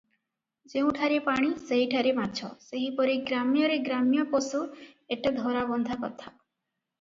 ଯେଉଁଠାରେ ପାଣି, ସେହିଠାରେ ମାଛ, ସେହିପରି ଗ୍ରାମରେ ଗ୍ରାମ୍ୟ ପଶୁ ଏଟା ଧରାବନ୍ଧା କଥା ।